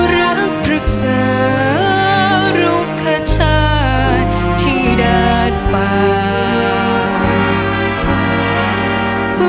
รักปรึกษรุขชาติที่ดาดปาก